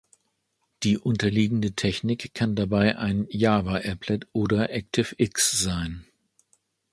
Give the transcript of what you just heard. Die unterliegende Technik kann dabei ein Java-Applet oder ActiveX sein.